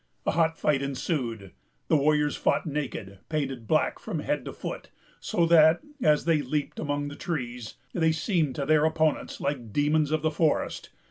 A hot fight ensued. The warriors fought naked, painted black from head to foot; so that, as they leaped among the trees, they seemed to their opponents like demons of the forest.